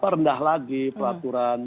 rendah lagi peraturan